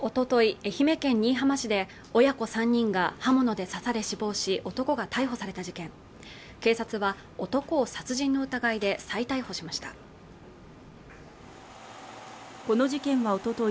愛媛県新居浜市で親子３人が刃物で刺され死亡し男が逮捕された事件警察は男を殺人の疑いで再逮捕しましたこの事件はおととい